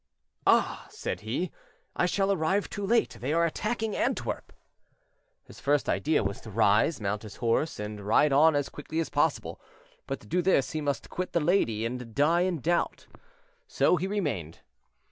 "Ah!" said he, "I shall arrive too late; they are attacking Antwerp." His first idea was to rise, mount his horse, and ride on as quickly as possible; but to do this he must quit the lady, and die in doubt, so he remained.